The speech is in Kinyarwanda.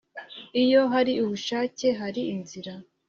Iyo hari ubushake hari inzira